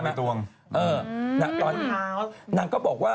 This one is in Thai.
เออไปด้วยเท้านางก็บอกว่า